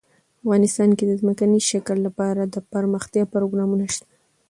افغانستان کې د ځمکنی شکل لپاره دپرمختیا پروګرامونه شته.